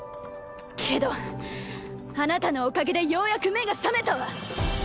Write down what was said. けどあなたのおかげでようやく目が覚めたわ。